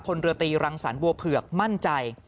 เรือตีรังสรรบัวเผือกมั่นใจ